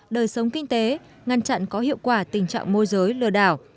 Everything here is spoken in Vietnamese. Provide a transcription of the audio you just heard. đời sống kinh tế ngăn chặn có hiệu quả tình trạng môi giới lừa đảo